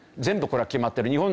全部これは決まってる。